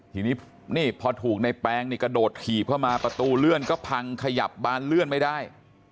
ทีนี้นี่พอถูกในแปงนี่กระโดดถีบเข้ามาประตูเลื่อนก็พังขยับบานเลื่อนไม่ได้